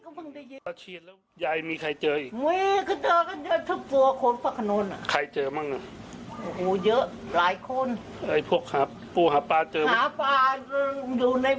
ไม่มีก็เพิ่งได้ยิน